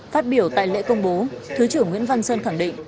phát biểu tại lễ công bố thứ trưởng nguyễn văn sơn khẳng định